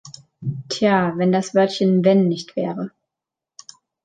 Tja, wenn das Wörtchen "wenn" nicht wäre...!